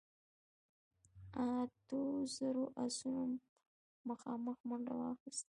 اتو زرو آسونو مخامخ منډه واخيسته.